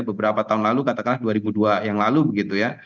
beberapa tahun lalu katakanlah dua ribu dua yang lalu begitu ya